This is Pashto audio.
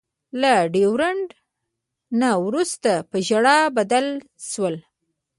له ډیریدو نه وروسته په ژړا بدل شول.